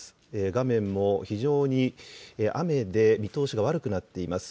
画面も非常に雨で見通しが悪くなっています。